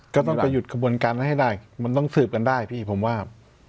ก็ต้องไปหยุดกระบวนการนั้นให้ได้มันต้องสืบกันได้พี่ผมว่า